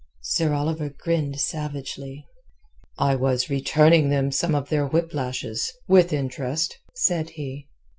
Sir Oliver grinned savagely. "I was returning them some of their whip lashes—with interest," said he.